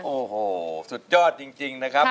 โอ้โหสุดยอดจริงนะครับ